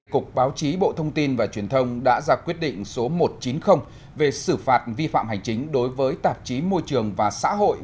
cục báo chí bộ thông tin và truyền thông đã ra quyết định số một trăm chín mươi về xử phạt vi phạm hành chính đối với tạp chí môi trường và xã hội